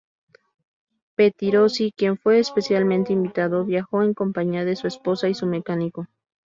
Pettirossi, quien fue especialmente invitado, viajó en compañía de su esposa y su mecánico.